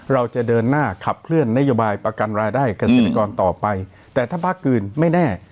เราจะเดินหน้าขับเคลื่อนนโยบายประกันรายได้เกษตรกรต่อไปแต่ถ้าภาคอื่นไม่แน่